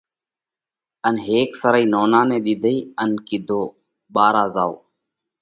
ان هيڪ سرئي نونا نئہ ۮِيڌئي ان ڪِيڌو ٻارا زائو